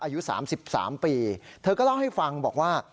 อายุ๓๓ปีเธอก็เล่าให้ฟังบอกว่า